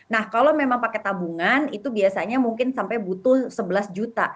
nah kalau memang pakai tabungan itu biasanya mungkin sampai butuh sebelas juta